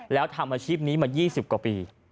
แล้วทำอาชีพนี้มา๒๐กว่าปี